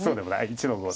１の五。